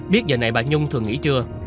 biết giờ này bà nhung thường nghỉ trưa